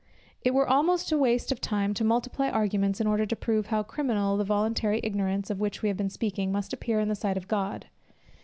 It were almost a waste of time to multiply arguments in order to prove how criminal the voluntary ignorance, of which we have been speaking, must appear in the sight of God.